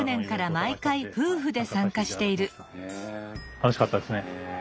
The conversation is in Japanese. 楽しかったですね。